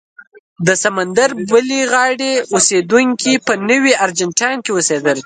د سمندر بلې غاړې اوسېدونکي په نوي ارجنټاین کې اوسېدل.